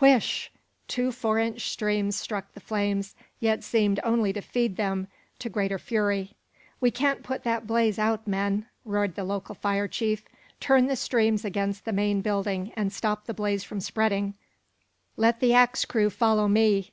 Whish! Two four inch streams struck the flames, yet seemed only to feed them to greater fury. "We can't put that blaze out, men!" roared the local fire chief. "Turn the streams against the main building and stop the blaze from spreading. Let the axe crew follow me!"